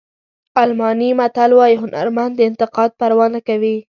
الماني متل وایي هنرمند د انتقاد پروا نه کوي.